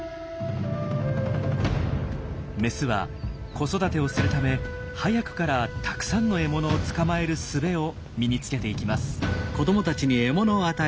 メスは子育てをするため早くからたくさんの獲物を捕まえるすべを身につけていきます。